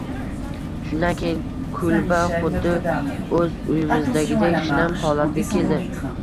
Shundan keyin kulba xuddi o`z uyimizdagidek shinam holatga keldi